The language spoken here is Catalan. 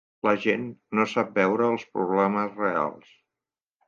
La gent no sap veure els problemes reals.